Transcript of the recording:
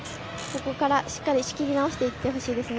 ここからしっかり仕切り直していってほしいですね。